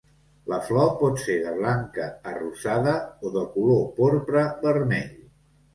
La flor pot ser de blanca a rosada o de color porpra vermell.